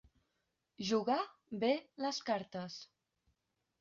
Jugar bé les cartes.